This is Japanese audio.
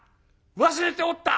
忘れておった！